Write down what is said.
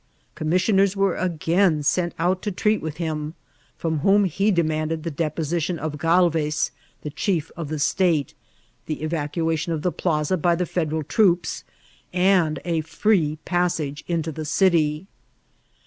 Commissioners were again sent out to treat with him, firom whom he demanded the deposition of Galvez, the chief of the state, the evacuation of the plaza by the Federal troops, and a free passage into the city.